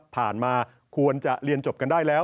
มาควรจะเรียนจบกันได้แล้ว